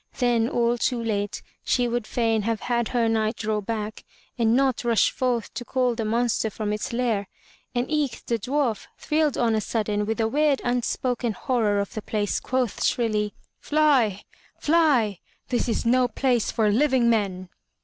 Then, all too late, she would fain have had her Knight draw back and not rush forth to call the monster from its lair; and eke the dwarf, thrilled on a sudden with the weird unspoken horror of the place, quoth shrilly, "Fly! fly! This is no place for living men!''